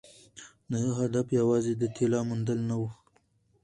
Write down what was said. د هغه هدف یوازې د طلا موندل نه وو.